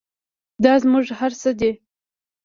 دا زموږ هر څه دی؟